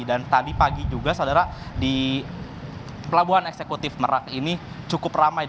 dan tadi pagi juga saudara di pelabuhan eksekutif merak ini cukup ramai